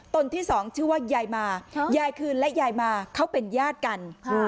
ที่สองชื่อว่ายายมายายคืนและยายมาเขาเป็นญาติกัน